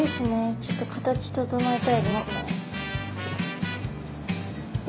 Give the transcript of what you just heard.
ちょっと形整えたいですね。